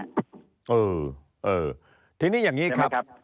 เออทีนี้อย่างนี้ครับ